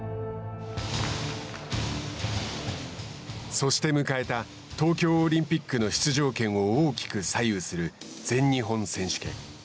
そして迎えた東京オリンピックの出場権を大きく左右する全日本選手権。